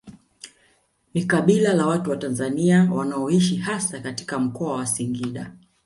Ni kabila la watu wa Tanzania wanaoishi hasa katika Mkoa wa Singida